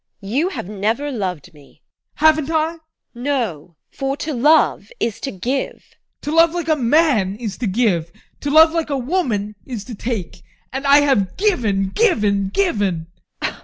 You have never loved me! ADOLPH. Haven't I? TEKLA. No, for to love is to give. ADOLPH. To love like a man is to give; to love like a woman is to take. And I have given, given, given!